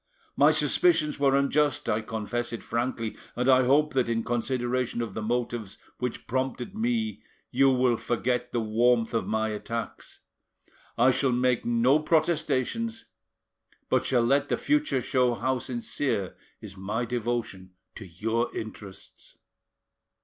My suspicions were unjust, I confess it frankly, and I hope that in consideration of the motives which prompted me you will forget the warmth of my attacks. I shall make no protestations, but shall let the future show how sincere is my devotion to your interests."